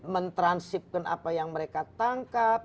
mentransipkan apa yang mereka tangkap